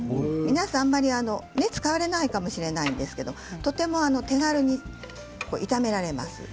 皆さん、あまり使われないかもしれないんですけれどとても手軽に炒められます。